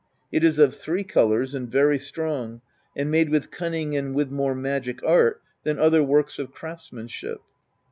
It is of three colors, and very strong, and made with cunning and with more magic art than other works of craftsmanship.